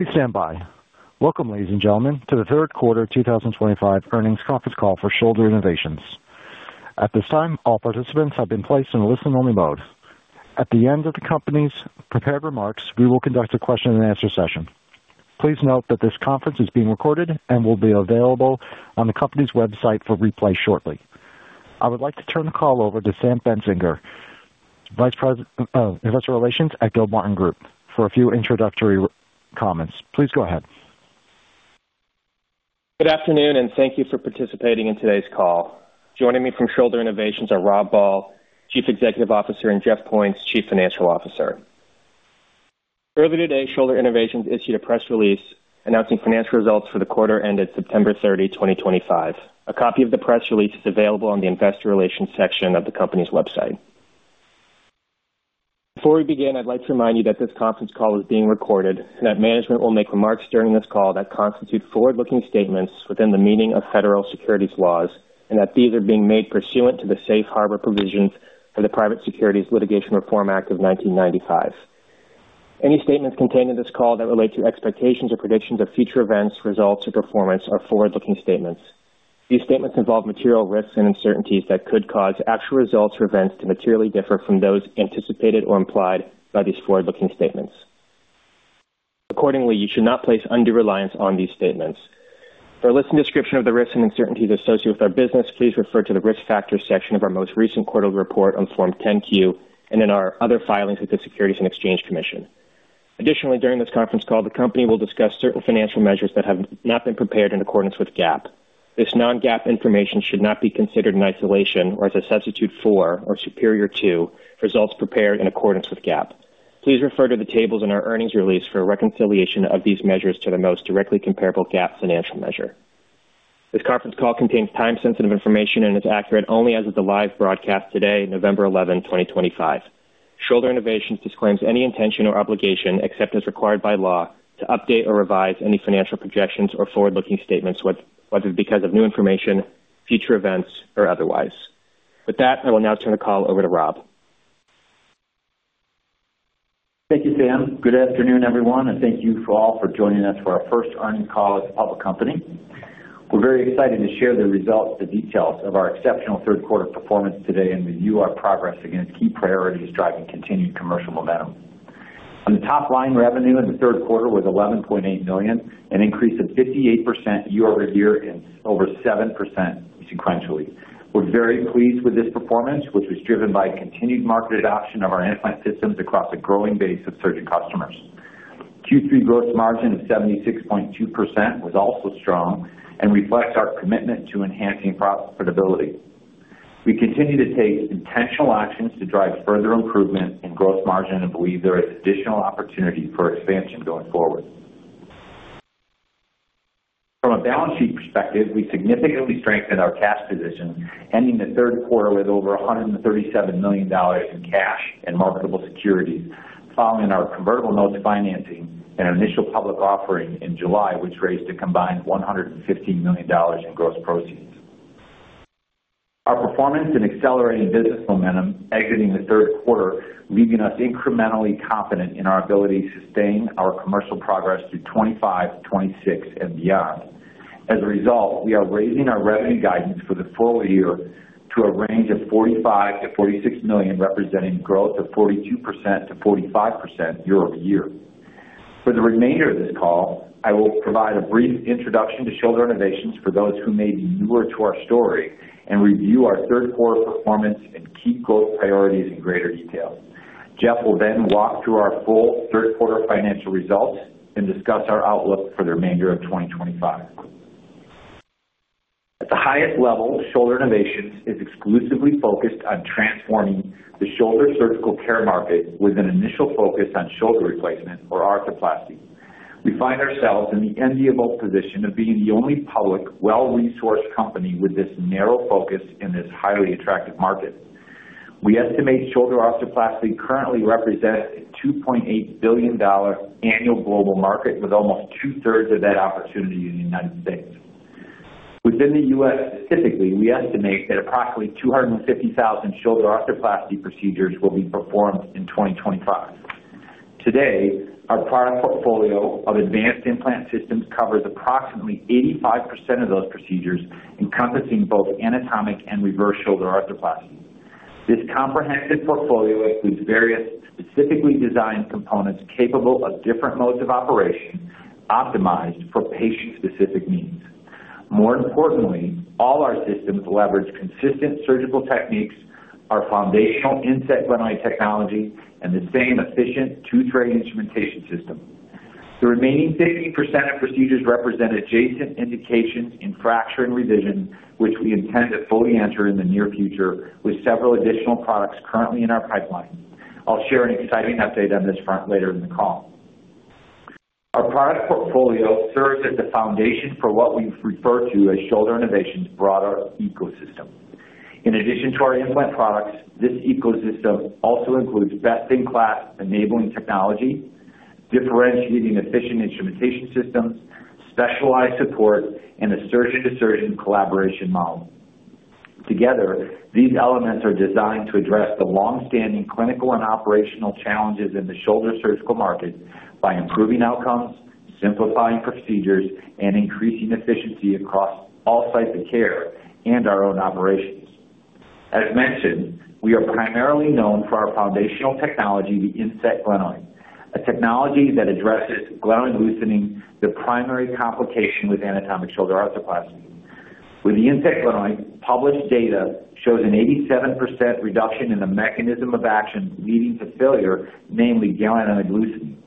We stand by. Welcome, ladies and gentlemen, to the third quarter 2025 earnings conference call for Shoulder Innovations. At this time, all participants have been placed in listen-only mode. At the end of the company's prepared remarks, we will conduct a question-and-answer session. Please note that this conference is being recorded and will be available on the company's website for replay shortly. I would like to turn the call over to Sam Benzinger, Vice President of Investor Relations at Gilmartin Group, for a few introductory comments. Please go ahead. Good afternoon, and thank you for participating in today's call. Joining me from Shoulder Innovations are Rob Ball, Chief Executive Officer, and Jeff Points, Chief Financial Officer. Earlier today, Shoulder Innovations issued a press release announcing financial results for the quarter ended September 30, 2025. A copy of the press release is available on the Investor Relations section of the company's website. Before we begin, I'd like to remind you that this conference call is being recorded and that management will make remarks during this call that constitute forward-looking statements within the meaning of federal securities laws, and that these are being made pursuant to the safe harbor provisions for the Private Securities Litigation Reform Act of 1995. Any statements contained in this call that relate to expectations or predictions of future events, results, or performance are forward-looking statements. These statements involve material risks and uncertainties that could cause actual results or events to materially differ from those anticipated or implied by these forward-looking statements. Accordingly, you should not place undue reliance on these statements. For a list and description of the risks and uncertainties associated with our business, please refer to the risk factors section of our most recent quarterly report on Form 10-Q and in our other filings with the Securities and Exchange Commission. Additionally, during this conference call, the company will discuss certain financial measures that have not been prepared in accordance with GAAP. This non-GAAP information should not be considered in isolation or as a substitute for or superior to results prepared in accordance with GAAP. Please refer to the tables in our earnings release for a reconciliation of these measures to the most directly comparable GAAP financial measure. This conference call contains time-sensitive information and is accurate only as of the live broadcast today, November 11, 2025. Shoulder Innovations disclaims any intention or obligation, except as required by law, to update or revise any financial projections or forward-looking statements, whether because of new information, future events, or otherwise. With that, I will now turn the call over to Rob. Thank you, Sam. Good afternoon, everyone, and thank you all for joining us for our first earnings call as a public company. We're very excited to share the results and details of our exceptional third-quarter performance today and review our progress against key priorities driving continued commercial momentum. On the top line, revenue in the third quarter was $11.8 million, an increase of 58% year-over-year and over 7% sequentially. We're very pleased with this performance, which was driven by continued market adoption of our implant systems across a growing base of surging customers. Q3 gross margin of 76.2% was also strong and reflects our commitment to enhancing profitability. We continue to take intentional actions to drive further improvement in gross margin and believe there is additional opportunity for expansion going forward. From a balance sheet perspective, we significantly strengthened our cash position, ending the third quarter with over $137 million in cash and marketable securities, following our convertible notes financing and initial public offering in July, which raised a combined $115 million in gross proceeds. Our performance and accelerating business momentum exited the third quarter, leaving us incrementally confident in our ability to sustain our commercial progress through 2025 to 2026 and beyond. As a result, we are raising our revenue guidance for the full year to a range of $45-$46 million, representing growth of 42%-45% year-over-year. For the remainder of this call, I will provide a brief introduction to Shoulder Innovations for those who may be newer to our story and review our third-quarter performance and key growth priorities in greater detail. Jeff will then walk through our full third-quarter financial results and discuss our outlook for the remainder of 2025. At the highest level, Shoulder Innovations is exclusively focused on transforming the shoulder surgical care market with an initial focus on shoulder replacement or arthroplasty. We find ourselves in the enviable position of being the only public, well-resourced company with this narrow focus in this highly attractive market. We estimate shoulder arthroplasty currently represents a $2.8 billion annual global market, with almost two-thirds of that opportunity in the U.S. Within the U.S. specifically, we estimate that approximately 250,000 shoulder arthroplasty procedures will be performed in 2025. Today, our product portfolio of advanced implant systems covers approximately 85% of those procedures, encompassing both anatomic and reverse shoulder arthroplasty. This comprehensive portfolio includes various specifically designed components capable of different modes of operation, optimized for patient-specific needs. More importantly, all our systems leverage consistent surgical techniques, our foundational Inset glenoid technology, and the same efficient two-thread instrumentation system. The remaining 50% of procedures represent adjacent indications in fracture and revision, which we intend to fully enter in the near future with several additional products currently in our pipeline. I'll share an exciting update on this front later in the call. Our product portfolio serves as the foundation for what we refer to as Shoulder Innovations' broader ecosystem. In addition to our implant products, this ecosystem also includes best-in-class enabling technology, differentiating efficient instrumentation systems, specialized support, and a surgeon-to-surgeon collaboration model. Together, these elements are designed to address the long-standing clinical and operational challenges in the shoulder surgical market by improving outcomes, simplifying procedures, and increasing efficiency across all sites of care and our own operations. As mentioned, we are primarily known for our foundational technology, the Inset glenoid, a technology that addresses glenoid loosening, the primary complication with anatomic shoulder arthroplasty. With the Inset glenoid, published data shows an 87% reduction in the mechanism of action leading to failure, namely glenoid loosening.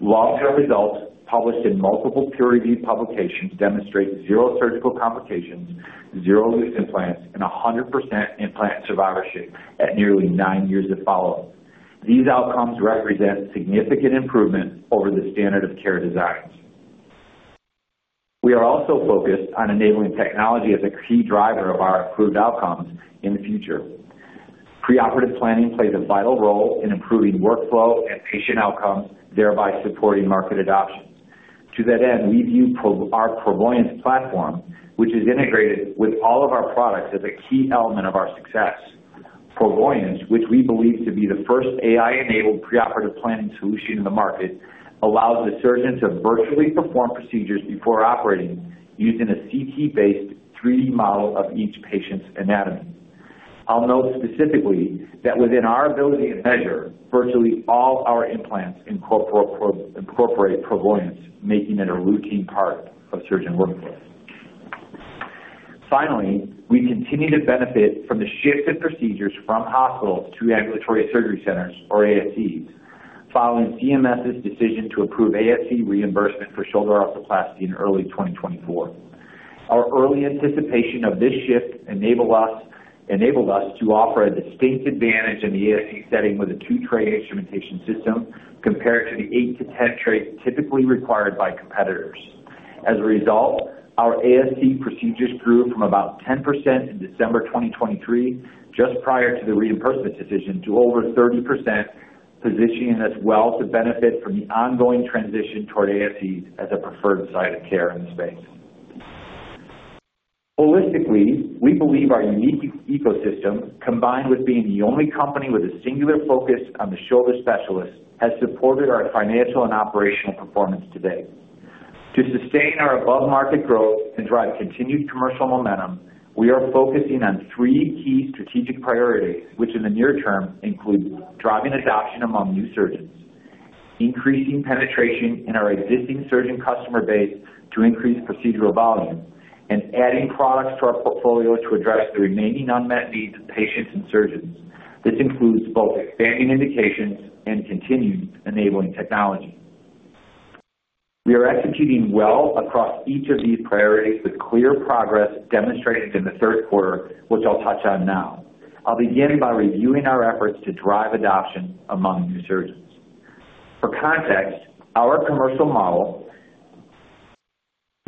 Long-term results published in multiple peer-reviewed publications demonstrate zero surgical complications, zero loose implants, and 100% implant survivorship at nearly nine years of follow-up. These outcomes represent significant improvement over the standard of care designs. We are also focused on enabling technology as a key driver of our improved outcomes in the future. Preoperative planning plays a vital role in improving workflow and patient outcomes, thereby supporting market adoption. To that end, we view our Provoyance platform, which is integrated with all of our products, as a key element of our success. Provoyance, which we believe to be the first AI-enabled preoperative planning solution in the market, allows the surgeon to virtually perform procedures before operating using a CT-based 3D model of each patient's anatomy. I'll note specifically that within our ability to measure, virtually all our implants incorporate Provoyance, making it a routine part of surgeon workflows. Finally, we continue to benefit from the shift in procedures from hospitals to ambulatory surgery centers, or ASCs, following CMS's decision to approve ASC reimbursement for shoulder arthroplasty in early 2024. Our early anticipation of this shift enabled us to offer a distinct advantage in the ASC setting with a two-thread instrumentation system compared to the 8-10 threads typically required by competitors. As a result, our ASC procedures grew from about 10% in December 2023, just prior to the reimbursement decision, to over 30%, positioning us well to benefit from the ongoing transition toward ASCs as a preferred site of care in the space. Holistically, we believe our unique ecosystem, combined with being the only company with a singular focus on the shoulder specialists, has supported our financial and operational performance today. To sustain our above-market growth and drive continued commercial momentum, we are focusing on three key strategic priorities, which in the near term include driving adoption among new surgeons, increasing penetration in our existing surgeon customer base to increase procedural volume, and adding products to our portfolio to address the remaining unmet needs of patients and surgeons. This includes both expanding indications and continued enabling technology. We are executing well across each of these priorities with clear progress demonstrated in the third quarter, which I'll touch on now. I'll begin by reviewing our efforts to drive adoption among new surgeons. For context, our commercial model,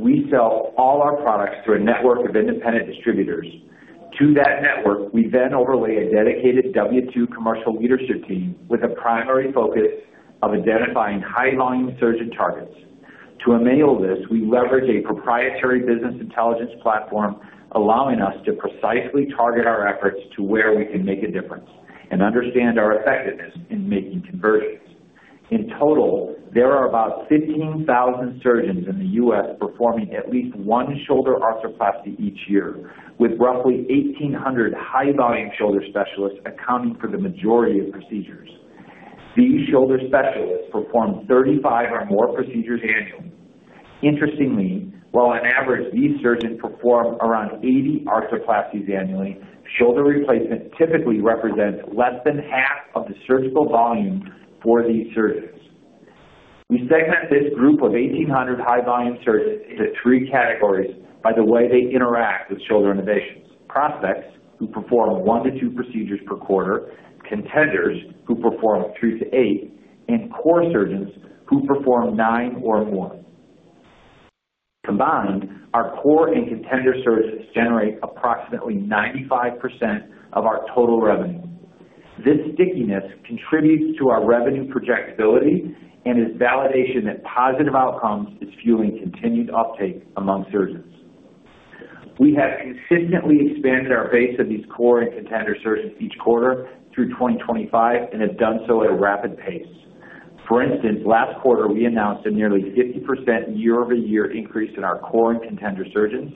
we sell all our products through a network of independent distributors. To that network, we then overlay a dedicated W-2 commercial leadership team with a primary focus of identifying high-volume surgeon targets. To enable this, we leverage a proprietary business intelligence platform, allowing us to precisely target our efforts to where we can make a difference and understand our effectiveness in making conversions. In total, there are about 15,000 surgeons in the U.S. performing at least one shoulder arthroplasty each year, with roughly 1,800 high-volume shoulder specialists accounting for the majority of procedures. These shoulder specialists perform 35 or more procedures annually. Interestingly, while on average these surgeons perform around 80 arthroplasties annually, shoulder replacement typically represents less than half of the surgical volume for these surgeons. We segment this group of 1,800 high-volume surgeons into three categories by the way they interact with Shoulder Innovations: prospects, who perform one to two procedures per quarter; contenders, who perform three to eight; and core surgeons, who perform nine or more. Combined, our core and contender surgeons generate approximately 95% of our total revenue. This stickiness contributes to our revenue projectability and is validation that positive outcomes are fueling continued uptake among surgeons. We have consistently expanded our base of these core and contender surgeons each quarter through 2025 and have done so at a rapid pace. For instance, last quarter, we announced a nearly 50% year-over-year increase in our core and contender surgeons.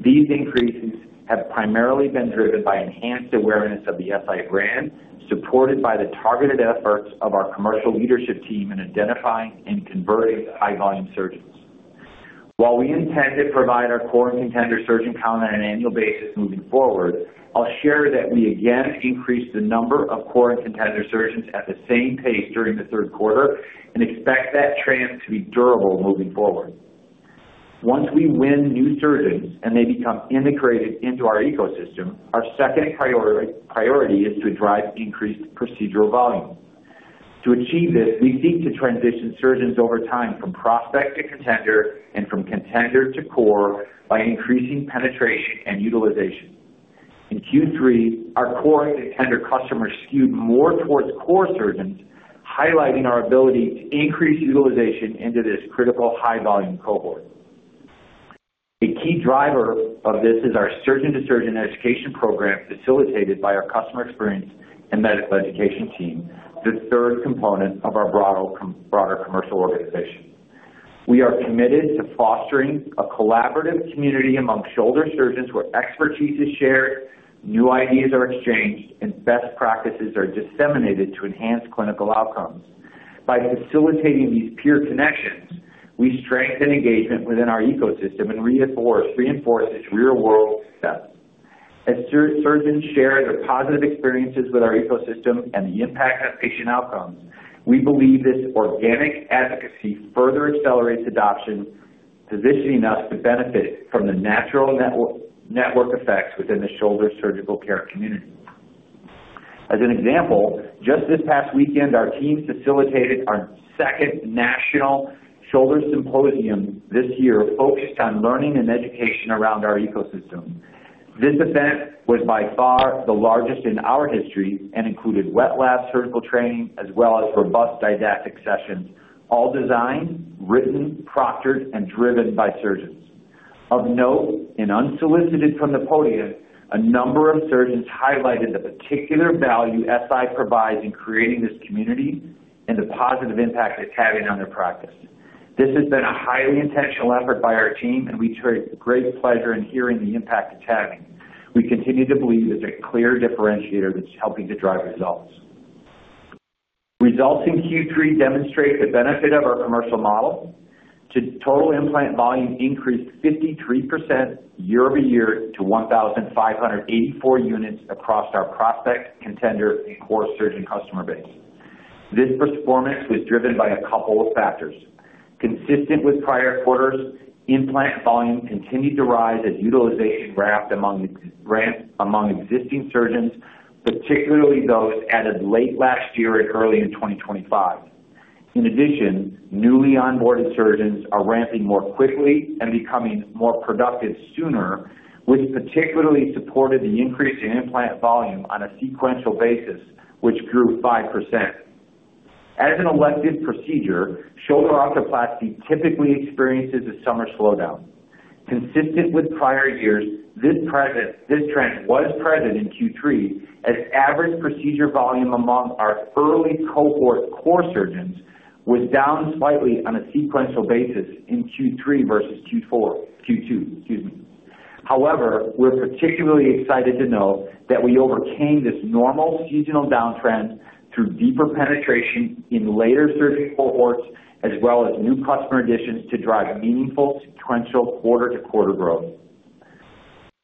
These increases have primarily been driven by enhanced awareness of the SI brand, supported by the targeted efforts of our commercial leadership team in identifying and converting high-volume surgeons. While we intend to provide our core and contender surgeon count on an annual basis moving forward, I'll share that we again increased the number of core and contender surgeons at the same pace during the third quarter and expect that trend to be durable moving forward. Once we win new surgeons and they become integrated into our ecosystem, our second priority is to drive increased procedural volume. To achieve this, we seek to transition surgeons over time from prospect to contender and from contender to core by increasing penetration and utilization. In Q3, our core and contender customers skewed more towards core surgeons, highlighting our ability to increase utilization into this critical high-volume cohort. A key driver of this is our surgeon-to-surgeon education program facilitated by our customer experience and medical education team, the third component of our broader commercial organization. We are committed to fostering a collaborative community among shoulder surgeons where expertise is shared, new ideas are exchanged, and best practices are disseminated to enhance clinical outcomes. By facilitating these peer connections, we strengthen engagement within our ecosystem and reinforce this real-world step. As surgeons share their positive experiences with our ecosystem and the impact on patient outcomes, we believe this organic advocacy further accelerates adoption, positioning us to benefit from the natural network effects within the shoulder surgical care community. As an example, just this past weekend, our team facilitated our second national shoulder symposium this year focused on learning and education around our ecosystem. This event was by far the largest in our history and included wet lab surgical training as well as robust didactic sessions, all designed, written, proctored, and driven by surgeons. Of note, and unsolicited from the podium, a number of surgeons highlighted the particular value SI provides in creating this community and the positive impact it's having on their practice. This has been a highly intentional effort by our team, and we took great pleasure in hearing the impact it's having. We continue to believe it's a clear differentiator that's helping to drive results. Results in Q3 demonstrate the benefit of our commercial model to total implant volume increased 53% year-over-year to 1,584 units across our prospect, contender, and core surgeon customer base. This performance was driven by a couple of factors. Consistent with prior quarters, implant volume continued to rise as utilization ramped among existing surgeons, particularly those added late last year and early in 2025. In addition, newly onboarded surgeons are ramping more quickly and becoming more productive sooner, which particularly supported the increase in implant volume on a sequential basis, which grew 5%. As an elective procedure, shoulder arthroplasty typically experiences a summer slowdown. Consistent with prior years, this trend was present in Q3 as average procedure volume among our early cohort core surgeons was down slightly on a sequential basis in Q2. However, we're particularly excited to know that we overcame this normal seasonal downtrend through deeper penetration in later surgery cohorts as well as new customer additions to drive meaningful sequential quarter-to-quarter growth.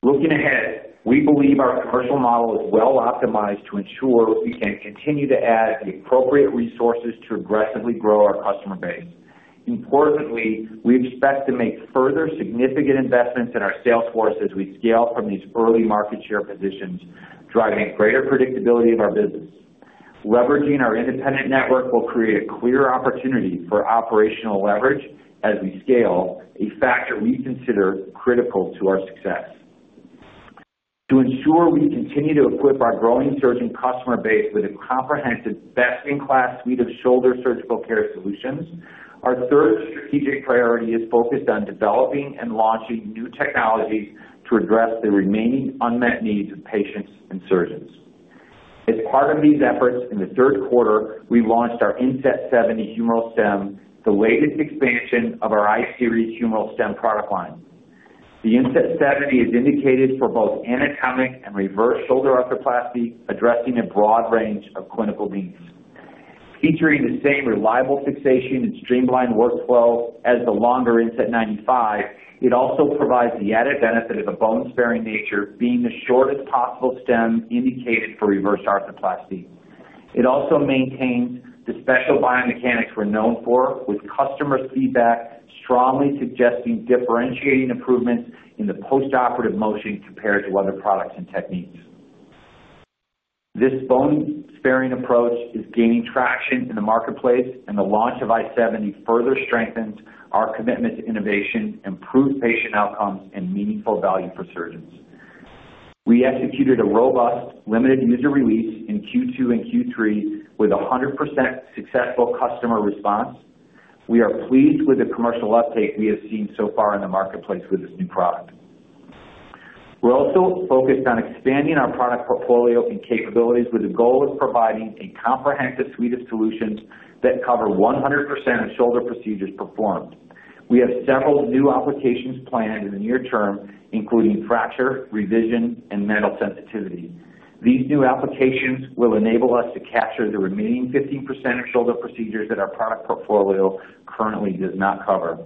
Looking ahead, we believe our commercial model is well optimized to ensure we can continue to add the appropriate resources to aggressively grow our customer base. Importantly, we expect to make further significant investments in our sales force as we scale from these early market share positions, driving greater predictability of our business. Leveraging our independent network will create a clear opportunity for operational leverage as we scale, a factor we consider critical to our success. To ensure we continue to equip our growing surgeon customer base with a comprehensive best-in-class suite of shoulder surgical care solutions, our third strategic priority is focused on developing and launching new technologies to address the remaining unmet needs of patients and surgeons. As part of these efforts, in the third quarter, we launched our Inset 70 humeral stem, the latest expansion of our iSeries humeral stem product line. The InSet 70 is indicated for both anatomic and reverse shoulder arthroplasty, addressing a broad range of clinical needs. Featuring the same reliable fixation and streamlined workflow as the longer InSet 95, it also provides the added benefit of a bone-sparing nature, being the shortest possible stem indicated for reverse arthroplasty. It also maintains the special biomechanics we're known for, with customer feedback strongly suggesting differentiating improvements in the post-operative motion compared to other products and techniques. This bone-sparing approach is gaining traction in the marketplace, and the launch of InSet 70 further strengthens our commitment to innovation, improved patient outcomes, and meaningful value for surgeons. We executed a robust limited user release in Q2 and Q3 with 100% successful customer response. We are pleased with the commercial uptake we have seen so far in the marketplace with this new product. We're also focused on expanding our product portfolio and capabilities with the goal of providing a comprehensive suite of solutions that cover 100% of shoulder procedures performed. We have several new applications planned in the near term, including fracture, revision, and metal sensitivity. These new applications will enable us to capture the remaining 15% of shoulder procedures that our product portfolio currently does not cover.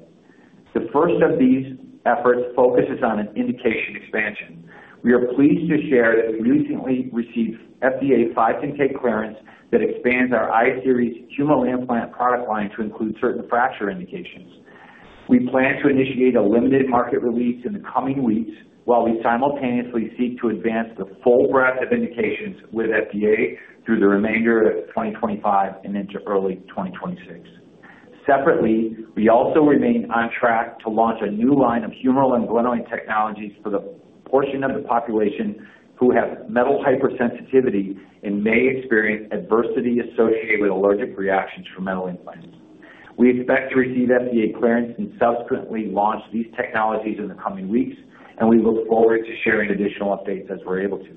The first of these efforts focuses on an indication expansion. We are pleased to share that we recently received FDA 510(k) clearance that expands our iSeries humeral implant product line to include certain fracture indications. We plan to initiate a limited market release in the coming weeks while we simultaneously seek to advance the full breadth of indications with FDA through the remainder of 2025 and into early 2026. Separately, we also remain on track to launch a new line of humeral and glenoid technologies for the portion of the population who have metal hypersensitivity and may experience adversity associated with allergic reactions from metal implants. We expect to receive FDA clearance and subsequently launch these technologies in the coming weeks, and we look forward to sharing additional updates as we're able to.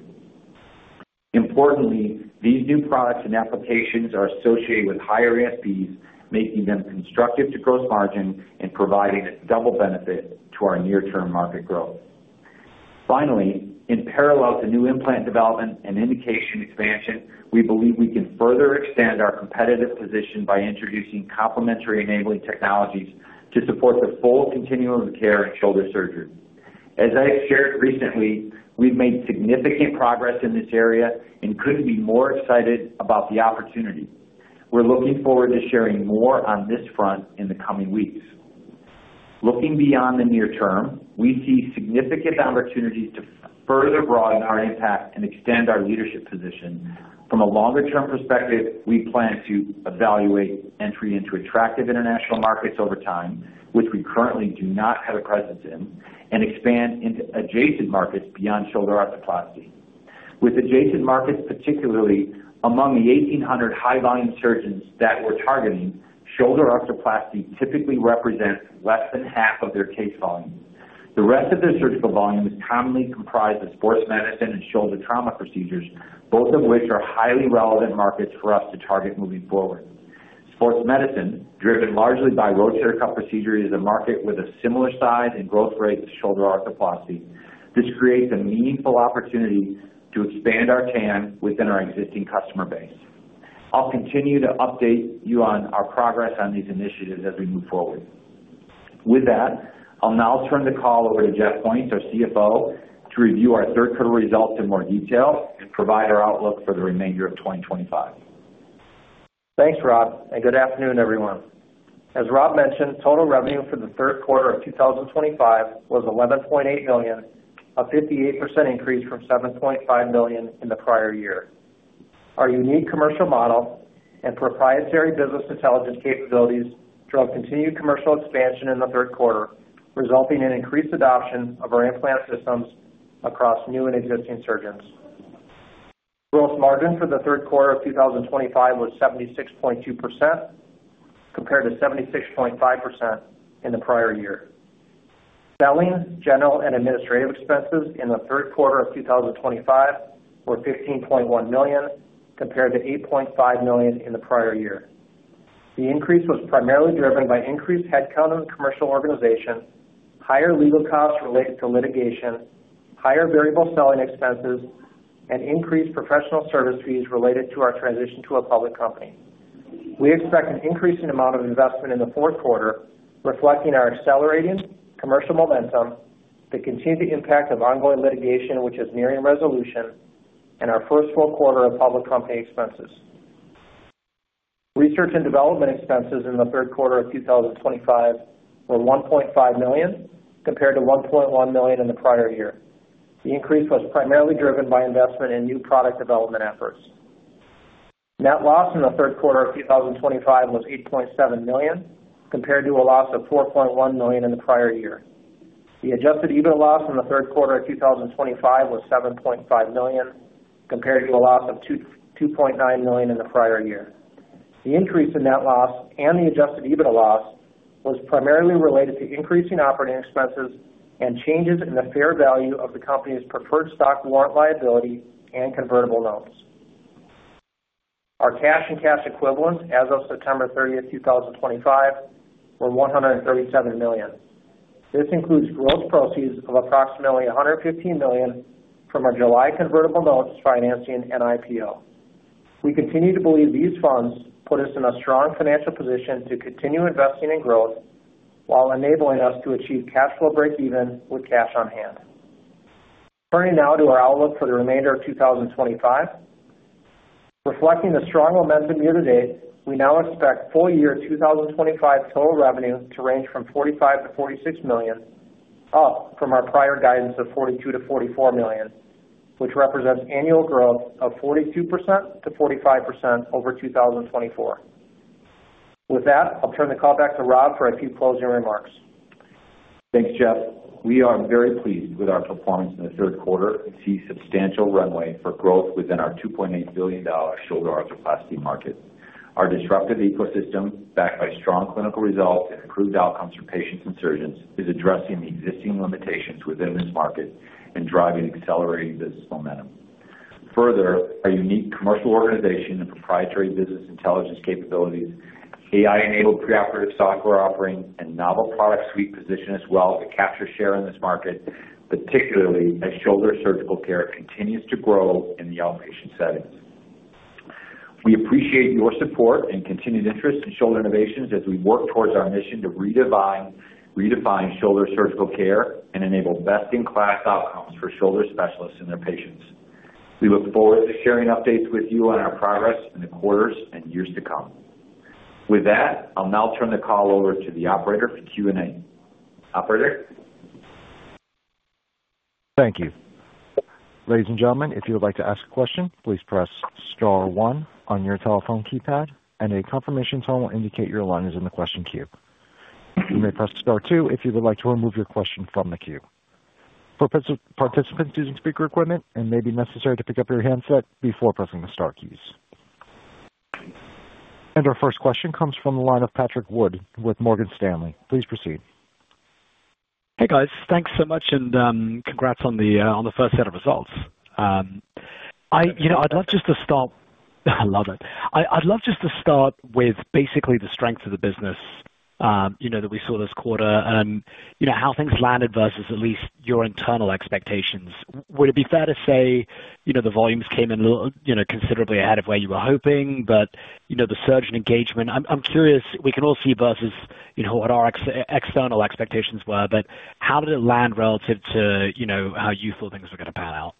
Importantly, these new products and applications are associated with higher ESPs, making them constructive to gross margin and providing a double benefit to our near-term market growth. Finally, in parallel to new implant development and indication expansion, we believe we can further extend our competitive position by introducing complementary enabling technologies to support the full continuum of care in shoulder surgery. As I've shared recently, we've made significant progress in this area and couldn't be more excited about the opportunity. We're looking forward to sharing more on this front in the coming weeks. Looking beyond the near term, we see significant opportunities to further broaden our impact and extend our leadership position. From a longer-term perspective, we plan to evaluate entry into attractive international markets over time, which we currently do not have a presence in, and expand into adjacent markets beyond shoulder arthroplasty. With adjacent markets, particularly among the 1,800 high-volume surgeons that we're targeting, shoulder arthroplasty typically represents less than half of their case volume. The rest of their surgical volume is commonly comprised of sports medicine and shoulder trauma procedures, both of which are highly relevant markets for us to target moving forward. Sports medicine, driven largely by rotator cuff procedures, is a market with a similar size and growth rate as shoulder arthroplasty. This creates a meaningful opportunity to expand our TAN within our existing customer base. I'll continue to update you on our progress on these initiatives as we move forward. With that, I'll now turn the call over to Jeff Points, our CFO, to review our third-quarter results in more detail and provide our outlook for the remainder of 2025. Thanks, Rob, and good afternoon, everyone. As Rob mentioned, total revenue for the third quarter of 2025 was $11.8 million, a 58% increase from $7.5 million in the prior year. Our unique commercial model and proprietary business intelligence capabilities drove continued commercial expansion in the third quarter, resulting in increased adoption of our implant systems across new and existing surgeons. Gross margin for the third quarter of 2025 was 76.2% compared to 76.5% in the prior year. Selling, general, and administrative expenses in the third quarter of 2025 were $15.1 million compared to $8.5 million in the prior year. The increase was primarily driven by increased headcount in the commercial organization, higher legal costs related to litigation, higher variable selling expenses, and increased professional service fees related to our transition to a public company. We expect an increasing amount of investment in the fourth quarter, reflecting our accelerating commercial momentum, the continued impact of ongoing litigation, which is nearing resolution, and our first full quarter of public company expenses. Research and development expenses in the third quarter of 2025 were $1.5 million compared to $1.1 million in the prior year. The increase was primarily driven by investment in new product development efforts. Net loss in the third quarter of 2025 was $8.7 million compared to a loss of $4.1 million in the prior year. The adjusted EBITDA loss in the third quarter of 2025 was $7.5 million compared to a loss of $2.9 million in the prior year. The increase in net loss and the adjusted EBITDA loss was primarily related to increasing operating expenses and changes in the fair value of the company's preferred stock warrant liability and convertible notes. Our cash and cash equivalents as of September 30, 2025, were $137 million. This includes gross proceeds of approximately $115 million from our July convertible notes financing and IPO. We continue to believe these funds put us in a strong financial position to continue investing in growth while enabling us to achieve cash flow breakeven with cash on hand. Turning now to our outlook for the remainder of 2025. Reflecting the strong momentum year to date, we now expect full year 2025 total revenue to range from $45 million-$46 million, up from our prior guidance of $42 million-$44 million, which represents annual growth of 42%-45% over 2024. With that, I'll turn the call back to Rob for a few closing remarks. Thanks, Jeff. We are very pleased with our performance in the third quarter and see substantial runway for growth within our $2.8 billion shoulder arthroplasty market. Our disruptive ecosystem, backed by strong clinical results and improved outcomes for patients and surgeons, is addressing the existing limitations within this market and driving accelerating business momentum. Further, our unique commercial organization and proprietary business intelligence capabilities, AI-enabled preoperative software offering, and novel product suite position us well to capture share in this market, particularly as shoulder surgical care continues to grow in the outpatient setting. We appreciate your support and continued interest in Shoulder Innovations as we work towards our mission to redefine shoulder surgical care and enable best-in-class outcomes for shoulder specialists and their patients. We look forward to sharing updates with you on our progress in the quarters and years to come. With that, I'll now turn the call over to the operator for Q&A. Operator. Thank you. Ladies and gentlemen, if you would like to ask a question, please press Star 1 on your telephone keypad, and a confirmation tone will indicate your line is in the question queue. You may press Star 2 if you would like to remove your question from the queue. For participants using speaker equipment, it may be necessary to pick up your handset before pressing the Star keys. Our first question comes from the line of Patrick Wood with Morgan Stanley. Please proceed. Hey, guys. Thanks so much, and congrats on the first set of results. I'd love just to start—I love it. I'd love just to start with basically the strength of the business that we saw this quarter, how things landed versus at least your internal expectations. Would it be fair to say the volumes came in considerably ahead of where you were hoping, but the surge in engagement? I'm curious. We can all see versus what our external expectations were, but how did it land relative to how you thought things were going to pan out?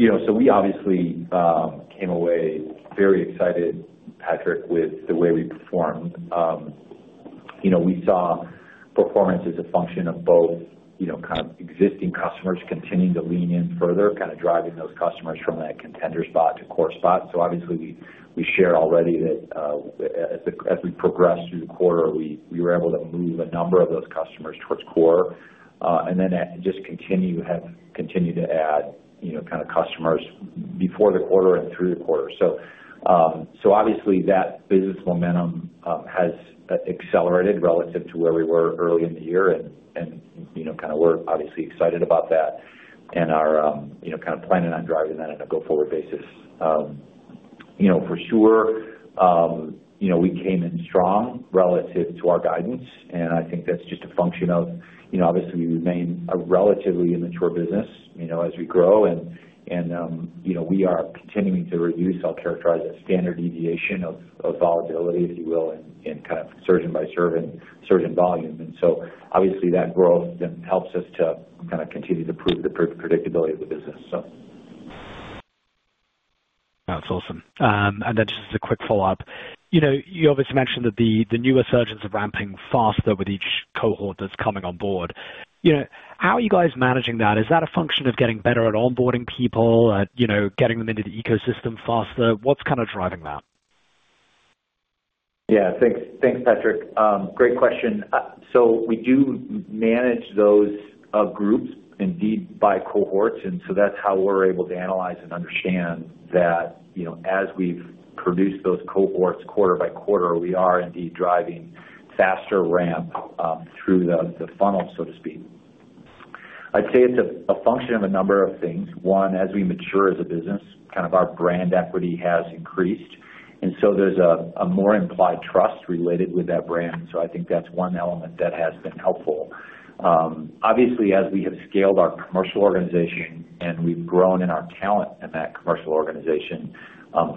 We obviously came away very excited, Patrick, with the way we performed. We saw performance as a function of both kind of existing customers continuing to lean in further, kind of driving those customers from that contender spot to core spot. Obviously, we shared already that as we progressed through the quarter, we were able to move a number of those customers towards core and then just continue to add kind of customers before the quarter and through the quarter. Obviously, that business momentum has accelerated relative to where we were early in the year, and kind of we're obviously excited about that and are kind of planning on driving that on a go-forward basis. For sure, we came in strong relative to our guidance, and I think that's just a function of, obviously, we remain a relatively immature business as we grow, and we are continuing to reduce—I will characterize it as standard deviation of volatility, if you will, in kind of surgeon-by-surgeon volume. Obviously, that growth helps us to kind of continue to prove the predictability of the business. That's awesome. Just as a quick follow-up, you obviously mentioned that the newer surgeons are ramping faster with each cohort that's coming on board. How are you guys managing that? Is that a function of getting better at onboarding people, getting them into the ecosystem faster? What's kind of driving that? Yeah. Thanks, Patrick. Great question. We do manage those groups indeed by cohorts, and that's how we're able to analyze and understand that as we've produced those cohorts quarter by quarter, we are indeed driving faster ramp through the funnel, so to speak. I'd say it's a function of a number of things. One, as we mature as a business, kind of our brand equity has increased, and there's a more implied trust related with that brand. I think that's one element that has been helpful. Obviously, as we have scaled our commercial organization and we've grown in our talent in that commercial organization,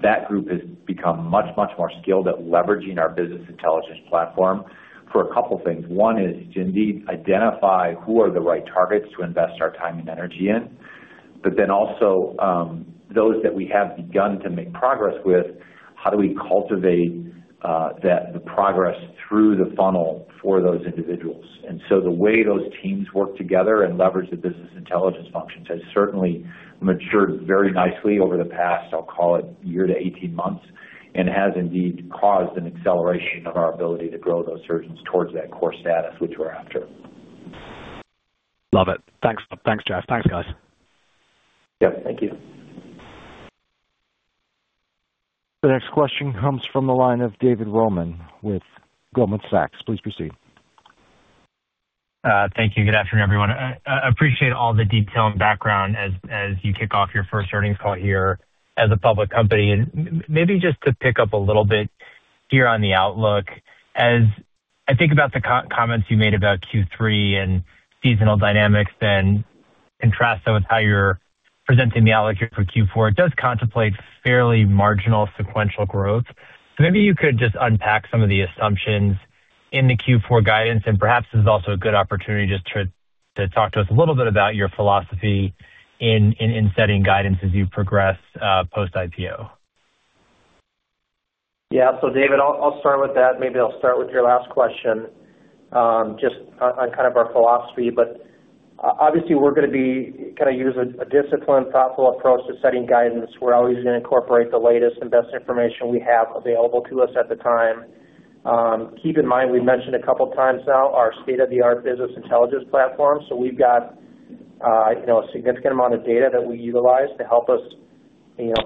that group has become much, much more skilled at leveraging our business intelligence platform for a couple of things. One is to indeed identify who are the right targets to invest our time and energy in, but then also those that we have begun to make progress with, how do we cultivate the progress through the funnel for those individuals? The way those teams work together and leverage the business intelligence functions has certainly matured very nicely over the past, I'll call it, year to 18 months, and has indeed caused an acceleration of our ability to grow those surgeons towards that core status, which we're after. Love it. Thanks, Jeff. Thanks, guys. Yep. Thank you. The next question comes from the line of David Rollman with Goldman Sachs. Please proceed. Thank you. Good afternoon, everyone. I appreciate all the detail and background as you kick off your first earnings call here as a public company. Maybe just to pick up a little bit here on the outlook, as I think about the comments you made about Q3 and seasonal dynamics and contrast that with how you're presenting the outlook here for Q4, it does contemplate fairly marginal sequential growth. Maybe you could just unpack some of the assumptions in the Q4 guidance, and perhaps this is also a good opportunity just to talk to us a little bit about your philosophy in setting guidance as you progress post-IPO. Yeah. David, I'll start with that. Maybe I'll start with your last question just on kind of our philosophy. Obviously, we're going to be kind of using a disciplined, thoughtful approach to setting guidance. We're always going to incorporate the latest and best information we have available to us at the time. Keep in mind, we've mentioned a couple of times now our state-of-the-art business intelligence platform. We've got a significant amount of data that we utilize to help us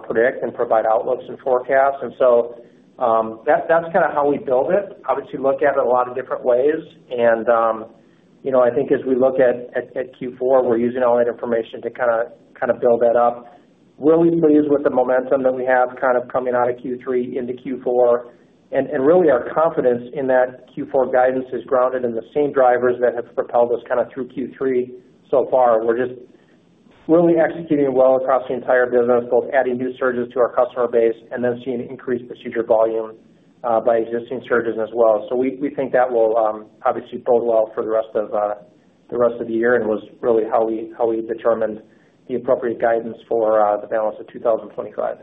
predict and provide outlooks and forecasts. That's kind of how we build it. Obviously, look at it a lot of different ways. I think as we look at Q4, we're using all that information to kind of build that up. Really pleased with the momentum that we have kind of coming out of Q3 into Q4. Really, our confidence in that Q4 guidance is grounded in the same drivers that have propelled us kind of through Q3 so far. We're really executing well across the entire business, both adding new surgeons to our customer base and then seeing increased procedure volume by existing surgeons as well. We think that will obviously bode well for the rest of the year and was really how we determined the appropriate guidance for the balance of 2025.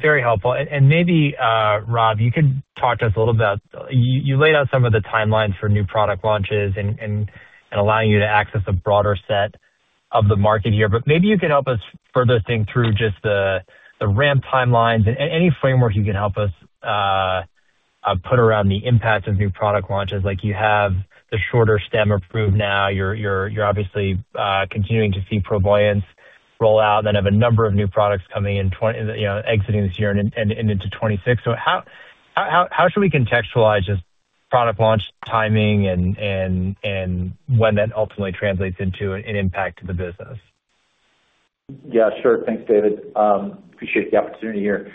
Very helpful. Maybe, Rob, you can talk to us a little bit about you laid out some of the timelines for new product launches and allowing you to access a broader set of the market here. Maybe you can help us further think through just the ramp timelines and any framework you can help us put around the impact of new product launches. Like you have the shorter stem approved now. You're obviously continuing to see Provoyance roll out and then have a number of new products coming in, exiting this year and into 2026. How should we contextualize this product launch timing and when that ultimately translates into an impact to the business? Yeah. Sure. Thanks, David. Appreciate the opportunity here.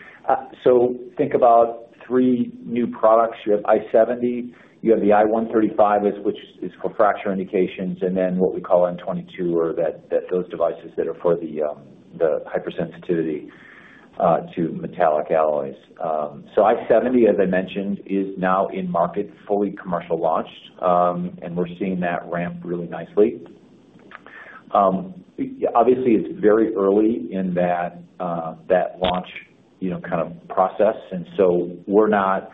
Think about three new products. You have i70, you have the i135, which is for fracture indications, and then what we call N22 or those devices that are for the hypersensitivity to metallic alloys. i70, as I mentioned, is now in market, fully commercial launched, and we're seeing that ramp really nicely. Obviously, it's very early in that launch kind of process, and we're not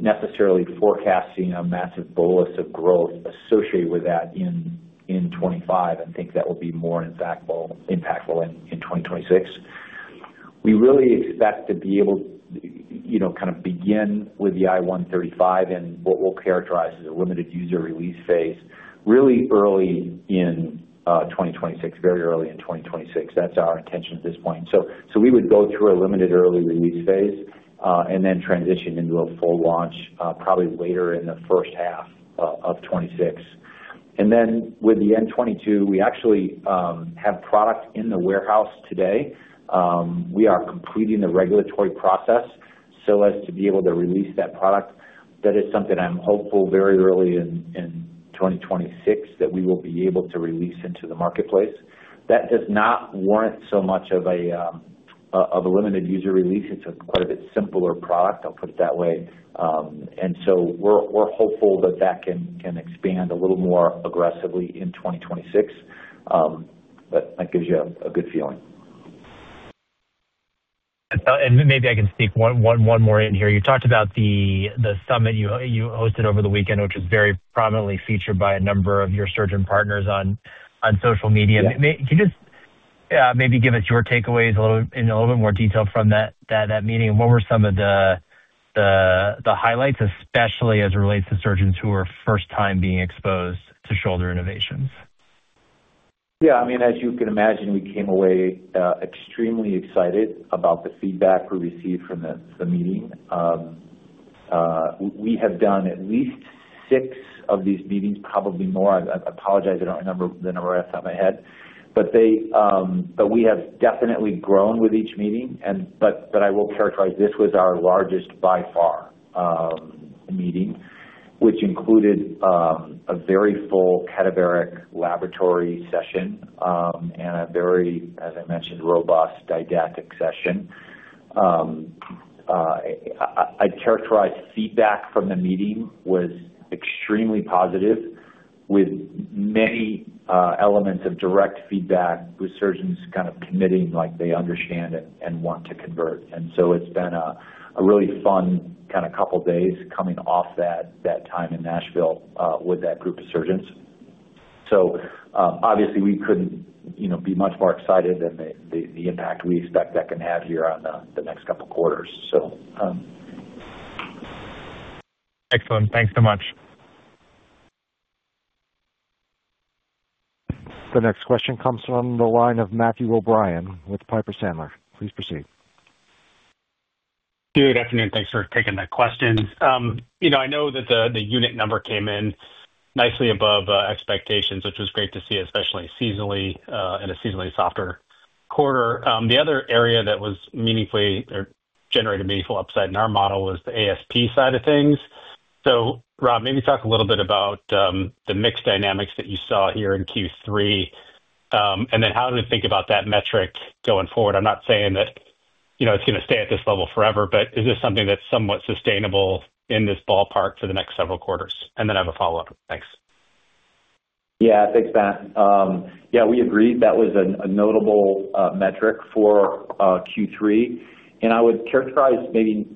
necessarily forecasting a massive bolus of growth associated with that in 2025. I think that will be more impactful in 2026. We really expect to be able to kind of begin with the i135 and what we'll characterize as a limited user release phase really early in 2026, very early in 2026. That's our intention at this point. We would go through a limited early release phase and then transition into a full launch probably later in the first half of 2026. With the N22, we actually have product in the warehouse today. We are completing the regulatory process so as to be able to release that product. That is something I'm hopeful very early in 2026 that we will be able to release into the marketplace. That does not warrant so much of a limited user release. It's a quite a bit simpler product, I'll put it that way. We're hopeful that that can expand a little more aggressively in 2026, but that gives you a good feeling. Maybe I can sneak one more in here. You talked about the summit you hosted over the weekend, which was very prominently featured by a number of your surgeon partners on social media. Can you just maybe give us your takeaways in a little bit more detail from that meeting? What were some of the highlights, especially as it relates to surgeons who were first time being exposed to Shoulder Innovations? Yeah. I mean, as you can imagine, we came away extremely excited about the feedback we received from the meeting. We have done at least six of these meetings, probably more. I apologize. I do not remember the number off the top of my head. We have definitely grown with each meeting. I will characterize this was our largest by far meeting, which included a very full cadaveric laboratory session and a very, as I mentioned, robust didactic session. I'd characterize feedback from the meeting was extremely positive with many elements of direct feedback with surgeons kind of committing like they understand and want to convert. It's been a really fun kind of couple of days coming off that time in Nashville with that group of surgeons. Obviously, we couldn't be much more excited than the impact we expect that can have here on the next couple of quarters. Excellent. Thanks so much. The next question comes from the line of Matthew O'Brien with Piper Sandler. Please proceed. Good afternoon. Thanks for taking that question. I know that the unit number came in nicely above expectations, which was great to see, especially in a seasonally softer quarter. The other area that was meaningfully or generated meaningful upside in our model was the ASP side of things. Rob, maybe talk a little bit about the mixed dynamics that you saw here in Q3 and then how to think about that metric going forward. I'm not saying that it's going to stay at this level forever, but is this something that's somewhat sustainable in this ballpark for the next several quarters? I have a follow-up. Thanks. Yeah. Thanks, Matt. Yeah. We agree. That was a notable metric for Q3. I would characterize maybe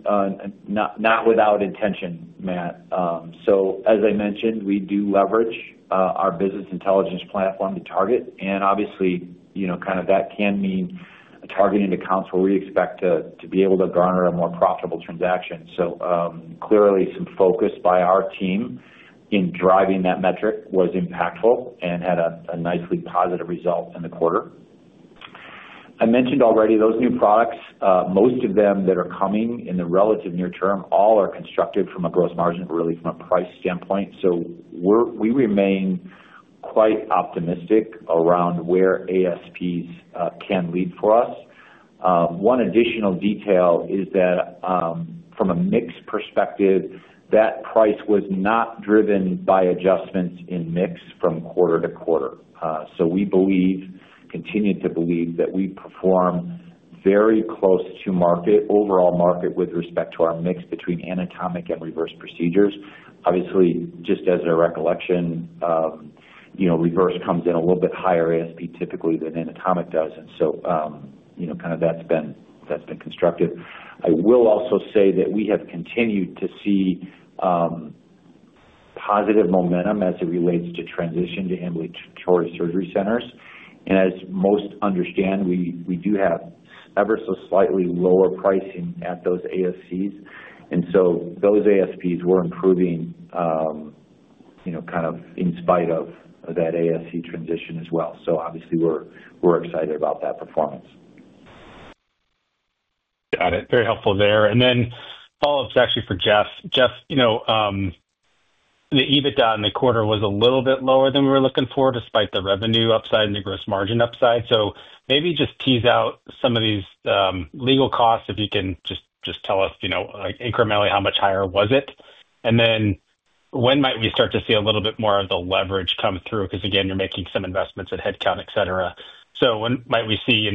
not without intention, Matt. As I mentioned, we do leverage our business intelligence platform to target. Obviously, that can mean targeting accounts where we expect to be able to garner a more profitable transaction. Clearly, some focus by our team in driving that metric was impactful and had a nicely positive result in the quarter. I mentioned already those new products. Most of them that are coming in the relative near term all are constructed from a gross margin, really from a price standpoint. We remain quite optimistic around where ASPs can lead for us. One additional detail is that from a mix perspective, that price was not driven by adjustments in mix from quarter to quarter. We believe, continue to believe that we perform very close to overall market with respect to our mix between anatomic and reverse procedures. Obviously, just as our recollection, reverse comes in a little bit higher ASP typically than anatomic does. That has been constructive. I will also say that we have continued to see positive momentum as it relates to transition to ambulatory surgery centers. As most understand, we do have ever so slightly lower pricing at those ASCs. Those ASPs were improving kind of in spite of that ASC transition as well. Obviously, we are excited about that performance. Got it. Very helpful there. Then follow-ups actually for Jeff. Jeff, the EBITDA in the quarter was a little bit lower than we were looking for despite the revenue upside and the gross margin upside. Maybe just tease out some of these legal costs if you can just tell us incrementally how much higher was it. When might we start to see a little bit more of the leverage come through? Again, you are making some investments at headcount, etc. When might we see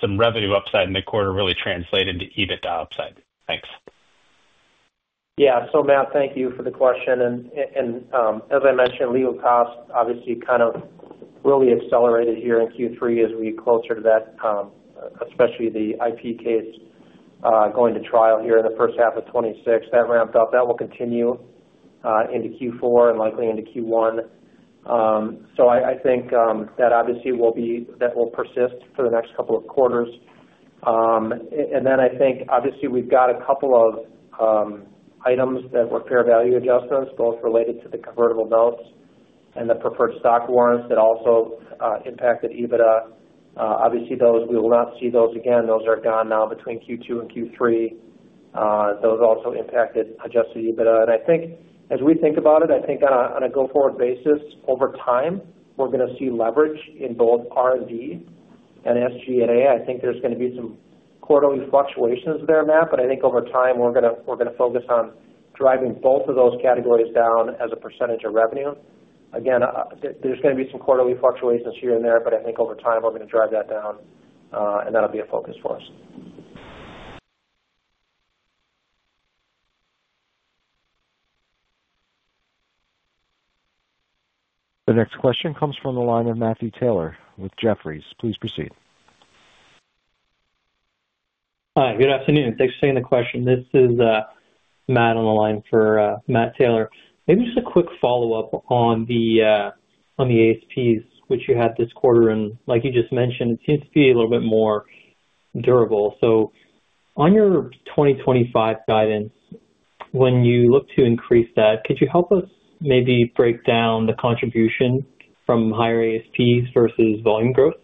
some revenue upside in the quarter really translate into EBITDA upside? Thanks. Yeah. Matt, thank you for the question. As I mentioned, legal costs obviously kind of really accelerated here in Q3 as we get closer to that, especially the IP case going to trial here in the first half of 2026. That ramped up. That will continue into Q4 and likely into Q1. I think that obviously will persist for the next couple of quarters. I think obviously we have a couple of items that were fair value adjustments, both related to the convertible notes and the preferred stock warrants that also impacted EBITDA. Obviously, we will not see those again. Those are gone now between Q2 and Q3. Those also impacted adjusted EBITDA. I think as we think about it, I think on a go-forward basis, over time, we're going to see leverage in both R&D and SG&A. I think there's going to be some quarterly fluctuations there, Matt, but I think over time, we're going to focus on driving both of those categories down as a percentage of revenue. Again, there's going to be some quarterly fluctuations here and there, but I think over time, we're going to drive that down, and that'll be a focus for us. The next question comes from the line of Matthew Taylor with Jefferies. Please proceed. Hi. Good afternoon. Thanks for taking the question. This is Matt on the line for Matt Taylor. Maybe just a quick follow-up on the ASPs, which you had this quarter. And like you just mentioned, it seems to be a little bit more durable. On your 2025 guidance, when you look to increase that, could you help us maybe break down the contribution from higher ASPs versus volume growth?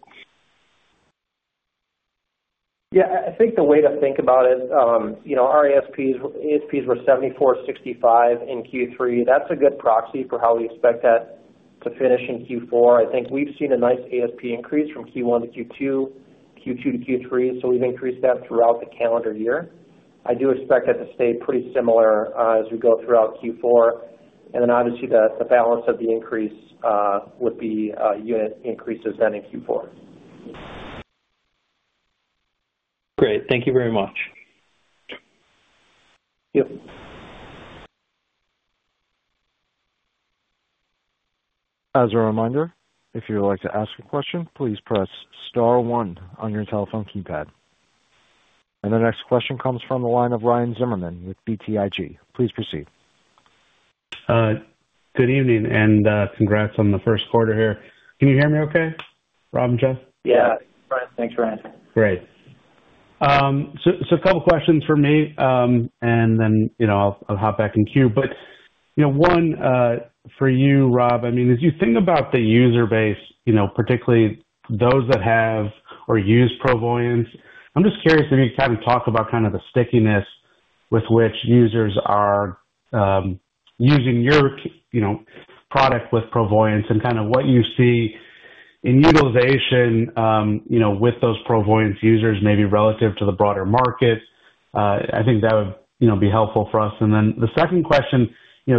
Yeah. I think the way to think about it, our ASPs were $74,065 in Q3. That's a good proxy for how we expect that to finish in Q4. I think we've seen a nice ASP increase from Q1 to Q2, Q2 to Q3. We've increased that throughout the calendar year. I do expect that to stay pretty similar as we go throughout Q4. Obviously, the balance of the increase would be unit increases then in Q4. Great. Thank you very much. Yep. As a reminder, if you would like to ask a question, please press star one on your telephone keypad. The next question comes from the line of Ryan Zimmerman with BTIG. Please proceed. Good evening and congrats on the first quarter here. Can you hear me okay? Rob and Jeff? Yeah. Thanks, Ryan. Great. A couple of questions for me, and then I'll hop back in queue. One for you, Rob, I mean, as you think about the user base, particularly those that have or use Provoyance, I'm just curious if you can kind of talk about kind of the stickiness with which users are using your product with Provoyance and kind of what you see in utilization with those Provoyance users maybe relative to the broader market. I think that would be helpful for us. The second question,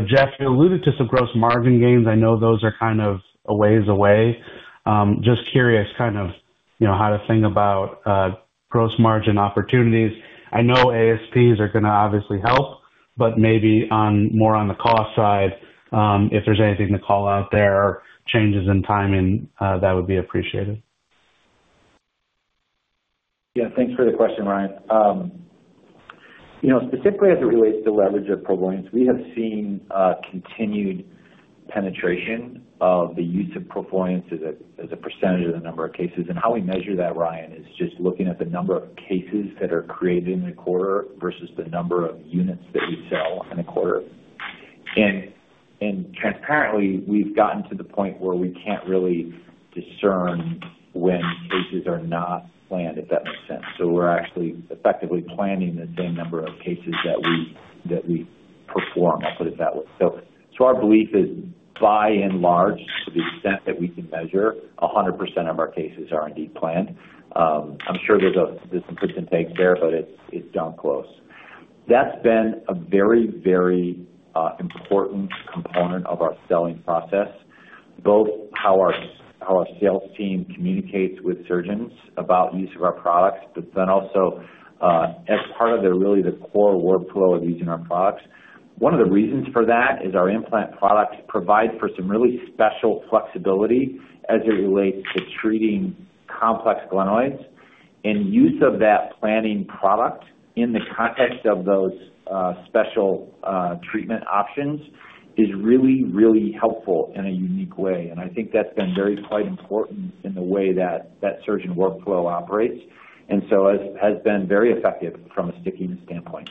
Jeff, you alluded to some gross margin gains. I know those are kind of a ways away. Just curious kind of how to think about gross margin opportunities. I know ASPs are going to obviously help, but maybe more on the cost side, if there's anything to call out there, changes in timing, that would be appreciated. Yeah. Thanks for the question, Ryan. Specifically, as it relates to leverage of Provoyance, we have seen continued penetration of the use of Provoyance as a percentage of the number of cases. And how we measure that, Ryan, is just looking at the number of cases that are created in the quarter versus the number of units that we sell in a quarter. And transparently, we've gotten to the point where we can't really discern when cases are not planned, if that makes sense. So we're actually effectively planning the same number of cases that we perform, I'll put it that way. Our belief is by and large, to the extent that we can measure, 100% of our cases are indeed planned. I'm sure there's some fits and takes there, but it's down close. That's been a very, very important component of our selling process, both how our sales team communicates with surgeons about use of our products, but then also as part of really the core workflow of using our products. One of the reasons for that is our implant products provide for some really special flexibility as it relates to treating complex glenoids. And use of that planning product in the context of those special treatment options is really, really helpful in a unique way. I think that's been very quite important in the way that surgeon workflow operates. It has been very effective from a stickiness standpoint.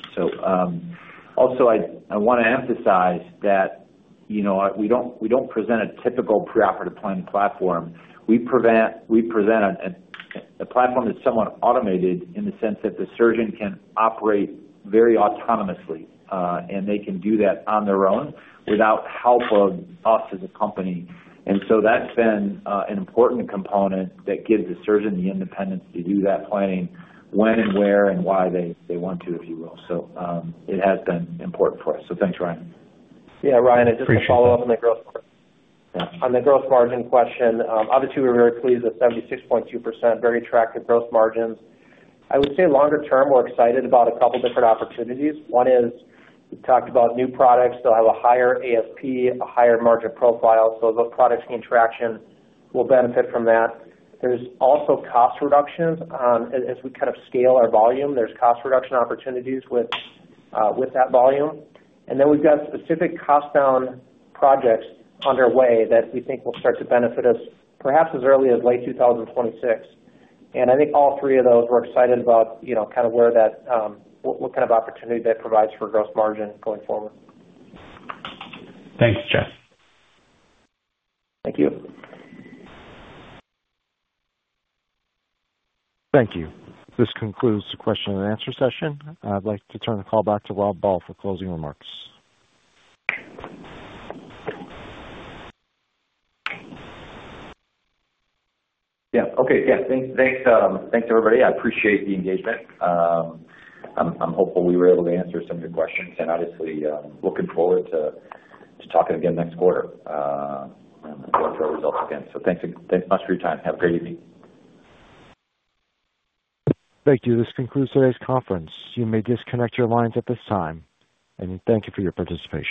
Also, I want to emphasize that we do not present a typical preoperative planning platform. We present a platform that is somewhat automated in the sense that the surgeon can operate very autonomously, and they can do that on their own without help of us as a company. That has been an important component that gives the surgeon the independence to do that planning when and where and why they want to, if you will. It has been important for us. Thanks, Ryan. Yeah. Ryan, I just want to follow up on the gross margin question. Obviously, we are very pleased with 76.2%, very attractive gross margins. I would say longer term, we are excited about a couple of different opportunities. One is we talked about new products. They will have a higher ASP, a higher margin profile. As those products gain traction, we will benefit from that. There are also cost reductions. As we kind of scale our volume, there's cost reduction opportunities with that volume. Then we've got specific cost-down projects underway that we think will start to benefit us perhaps as early as late 2026. I think all three of those, we're excited about kind of what kind of opportunity that provides for gross margin going forward. Thanks, Jeff. Thank you. Thank you. This concludes the question and answer session. I'd like to turn the call back to Rob Ball for closing remarks. Yeah. Okay. Yeah. Thanks, everybody. I appreciate the engagement. I'm hopeful we were able to answer some of your questions. Obviously, looking forward to talking again next quarter and going through our results again. Thanks much for your time. Have a great evening. Thank you. This concludes today's conference. You may disconnect your lines at this time. Thank you for your participation.